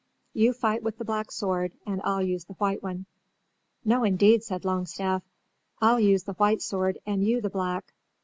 "You fight with the black sword and I'll use the white one." "No indeed," said Longstaff. "I'll use the white sword and you the black.